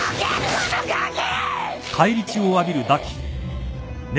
このガキ！！